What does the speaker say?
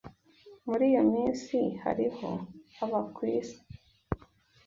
Muri iyo minsi hariho" aba "ku isi"